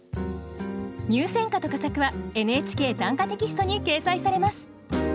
入選歌と佳作は「ＮＨＫ短歌」テキストに掲載されます